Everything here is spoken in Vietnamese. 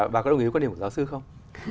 bà có đồng ý với quan điểm của giáo sư không